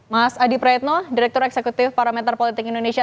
mas adi praetno direktur eksekutif parameter politik indonesia